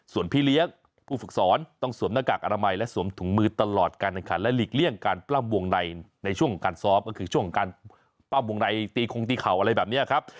ส่วนพี่เลี้ยงผู้ฝึกสอนต้องสวมหน้ากากอนามัยและสวมถุงมือตลอดการแข่งขันและหลีกเลี่ยงการปล้ำวงในช่วงการซ้อมก็คือช่วงการปลั้มวงในตีคงตีเข่าอะไรแบบนี้ครับ